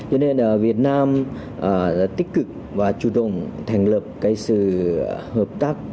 cho nên việt nam tích cực và chủ động thành lập sự hợp tác